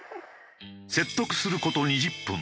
説得する事２０分。